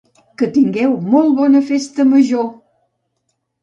que tingueu molt bona Festa Major!